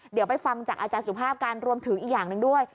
เดี๋ยวไปฟังจากอาจารย์สุภาพการรวมถึงอีกอย่างหนึ่งด้วย